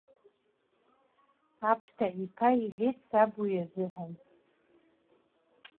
Аԥҭа иԥа иҳәеит саб уи изыҳәан.